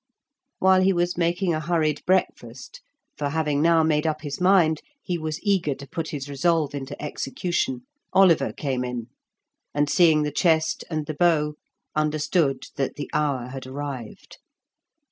While he was making a hurried breakfast (for having now made up his mind he was eager to put his resolve into execution), Oliver came in, and seeing the chest and the bow, understood that the hour had arrived.